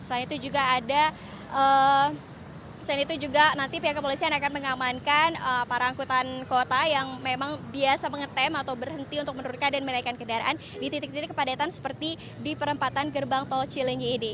selain itu juga ada selain itu juga nanti pihak kepolisian akan mengamankan para angkutan kota yang memang biasa mengetem atau berhenti untuk menurunkan dan menaikkan kendaraan di titik titik kepadatan seperti di perempatan gerbang tol cilenyi ini